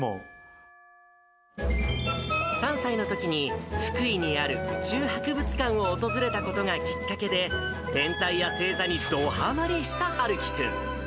３歳のときに福井にある宇宙博物館を訪れたことがきっかけで、天体や星座にどはまりした陽生君。